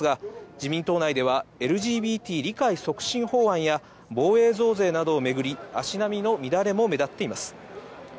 自民党内ではＬＧＢＴ理解促進法案や防衛増税などめぐり、足並みの乱れも目立っています。